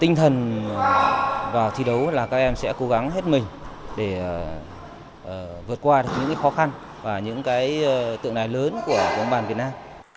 tinh thần vào thi đấu là các em sẽ cố gắng hết mình để vượt qua được những khó khăn và những tượng đài lớn của bóng bàn việt nam